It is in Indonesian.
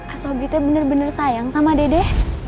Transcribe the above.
asal berita bener bener sayang sama dede